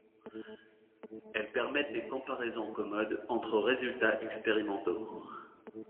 Elles permettent des comparaisons commodes entre résultats expérimentaux.